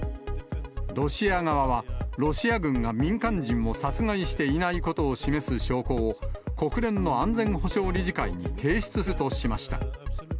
ロシア側は、ロシア軍が民間人を殺害していないことを示す証拠を、国連の安全保障理事会に提出するとしました。